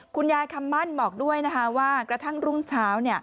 คำมั่นบอกด้วยนะคะว่ากระทั่งรุ่งเช้า